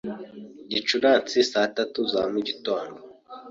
Gicurasi saa tatu za mugitondo?